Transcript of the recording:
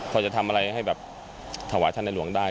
พอจะทำอะไรให้แบบถวายท่านในหลวงได้